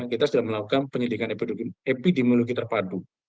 kita sudah melakukan penyelidikan epidemiologi terpadu